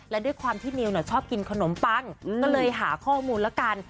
และด้วยความที่นิวชอบกินขนมปังก็เลยหาข้อมูลละกัน